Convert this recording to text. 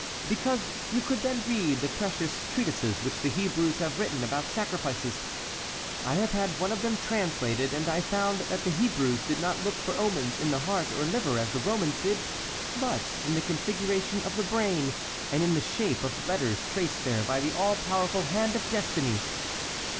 "Because you could then read the precious treatises which the Hebrews have written about sacrifices. I have had one of them translated, and I found that the Hebrews did not look for omens in the heart or liver as the Romans did, but in the configuration of the brain, and in the shape of the letters traced there by the all powerful hand of destiny."